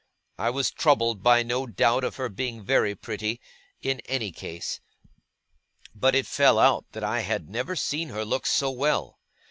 I was troubled by no doubt of her being very pretty, in any case; but it fell out that I had never seen her look so well.